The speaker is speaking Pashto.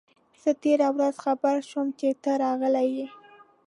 زه تېره ورځ خبر شوم چي ته راغلی یې.